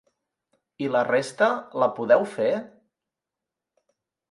I la resta, la podeu fer?